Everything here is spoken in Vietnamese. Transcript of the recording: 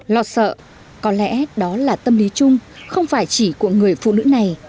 lo sợ có lẽ đó là tâm lý chung không phải chỉ của người phụ nữ này